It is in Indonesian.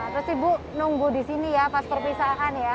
terus ibu nunggu di sini ya pas perpisahan ya